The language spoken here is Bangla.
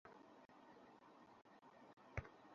এখনি চলে আসবো, বাপ।